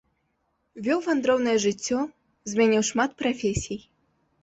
Вёў вандроўнае жыццё, змяніў шмат прафесій.